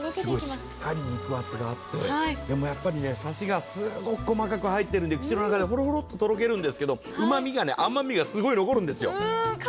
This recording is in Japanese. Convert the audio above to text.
しっかり肉厚で、やっぱりサシがすごく細かく入ってるんで口の中でほろほろっと溶けるんですけど、うまみが、甘みがすごく残るんですよ。